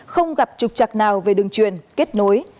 không gặp trục trặc nào về đường truyền kết nối